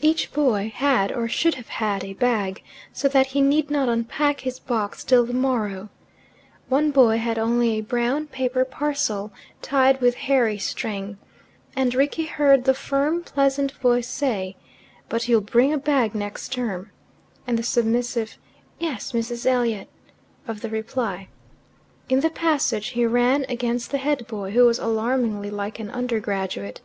Each boy had, or should have had, a bag, so that he need not unpack his box till the morrow, One boy had only a brown paper parcel, tied with hairy string, and Rickie heard the firm pleasant voice say, "But you'll bring a bag next term," and the submissive, "Yes, Mrs. Elliot," of the reply. In the passage he ran against the head boy, who was alarmingly like an undergraduate.